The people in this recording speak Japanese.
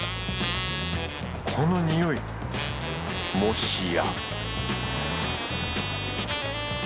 この匂いもしや